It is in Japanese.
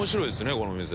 この店。